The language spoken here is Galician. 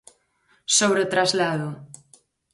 Sobre o traslado.